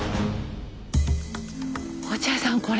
落合さんこれ。